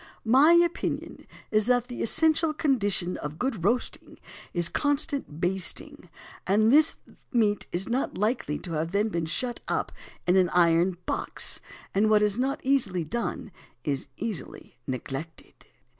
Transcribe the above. My opinion is that the essential condition of good roasting is constant basting, and this the meat is not likely to have when shut up in an iron box; and what is not easily done is easily neglected."